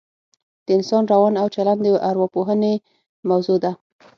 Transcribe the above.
د انسان روان او چلن د اوراپوهنې موضوع ده